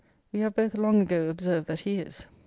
We have both long ago observed that he is.